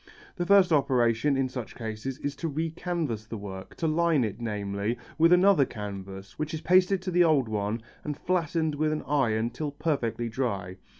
The first operation in such cases is to recanvas the work, to line it, namely, with another canvas which is pasted to the old one and flattened with an iron till perfectly dry.